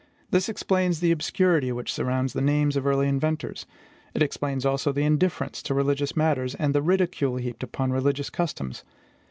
This explains the obscurity which surrounds the names of early inventors; it explains also our indifference to religious matters, and the ridicule heaped upon religious customs.